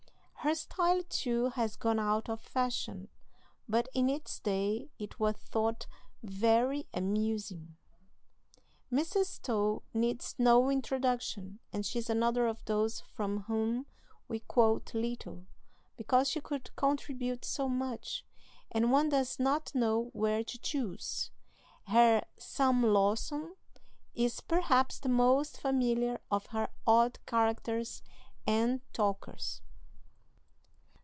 '" Her style, too, has gone out of fashion; but in its day it was thought very amusing. Mrs. Stowe needs no introduction, and she is another of those from whom we quote little, because she could contribute so much, and one does not know where to choose. Her "Sam Lawson" is, perhaps, the most familiar of her odd characters and talkers.